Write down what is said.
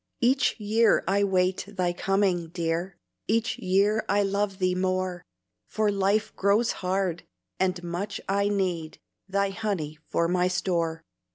Each year I wait thy coming, dear, Each year I love thee more, For life grows hard, and much I need Thy honey for my store.